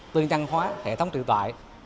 tư nhân hóa hệ thống triệu tài